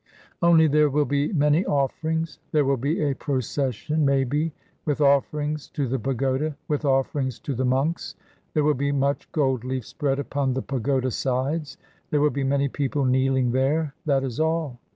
Only there will be many offerings; there will be a procession, maybe, with offerings to the pagoda, with offerings to the monks; there will be much gold leaf spread upon the pagoda sides; there will be many people kneeling there that is all.